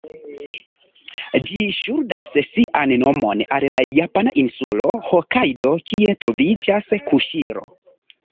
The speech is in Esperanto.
Ĝi ŝuldas sian nomon al la japana insulo Hokajdo, kie troviĝas Kuŝiro.